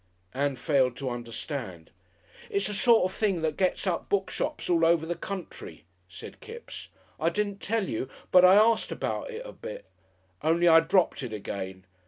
Ann failed to understand. "It's a sort of thing that gets up book shops all over the country," said Kipps. "I didn't tell you, but I arst about it a bit. On'y I dropped it again.